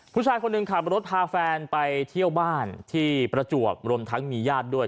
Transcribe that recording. ผู้ชายคนหนึ่งขับรถพาแฟนไปเที่ยวบ้านที่ประจวบรวมทั้งมีญาติด้วย